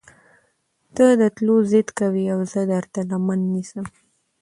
تۀ د تلو ضد کوې اؤ زۀ درته لمنه نيسم